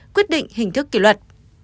quyết định hình thức kỷ luật